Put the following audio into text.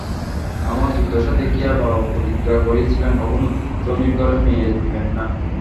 আমার দুর্দশা দেখিয়াই বাবা প্রতিজ্ঞা করিয়াছিলেন, কখনো ধনীর ঘরে মেয়ে দিবেন না।